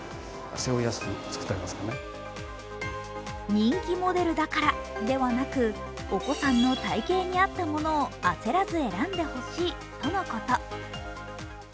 人気モデルだからではなくお子さんの体型に合ったものを焦らず選んでほしいとのこと。